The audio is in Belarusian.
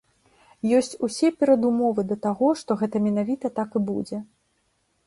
Ёсць усе перадумовы да таго, што гэта менавіта так і будзе.